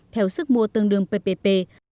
theo sức mua tương đương ppp